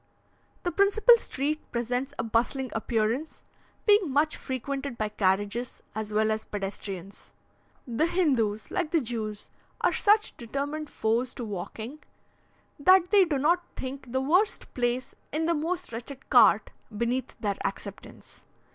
The principal street presents a bustling appearance, being much frequented by carriages, as well as pedestrians. The Hindoos, like the Jews, are such determined foes to walking, that they do not think the worst place in the most wretched cart beneath their acceptance.